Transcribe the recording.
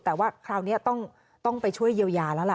แต่ว่าคราวนี้ต้องไปช่วยเยียวยาแล้วล่ะ